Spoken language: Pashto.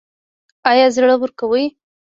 ایا زړه ورکوئ؟